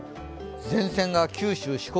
前線が九州、四国